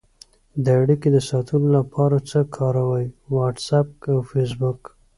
د اړیکې د ساتلو لاره څه کاروئ؟ واټساپ او فیسبوک